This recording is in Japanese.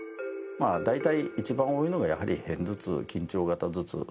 大体、一番多いのが片頭痛・緊張型頭痛。